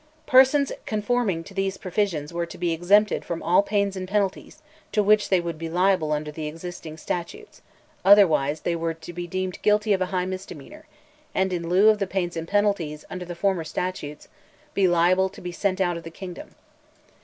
"Persons conforming to these provisions were to be exempted from all pains and penalties, to which they would be liable under the existing statutes; otherwise, they were to be deemed guilty of a high misdemeanor; and in lieu of the pains and penalties, under the former statutes, be liable to be sent out of the kingdom.